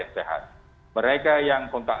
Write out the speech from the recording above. sehat mereka yang kontak